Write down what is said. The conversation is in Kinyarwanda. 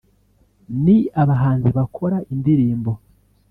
ni abahanzi bakora indirimbo